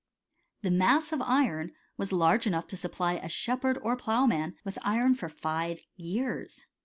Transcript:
6s Tlie mass of iron was large enough to supply a shepherd or a ploughman with iron for five years.